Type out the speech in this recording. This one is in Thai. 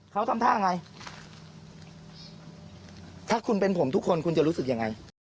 เขาทำท่าไงถ้าคุณเป็นผมทุกคนคุณจะรู้สึกยังไง